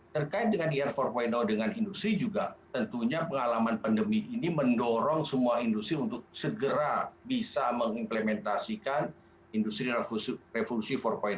terkait dengan ir empat dengan industri juga tentunya pengalaman pandemi ini mendorong semua industri untuk segera bisa mengimplementasikan industri revolusi empat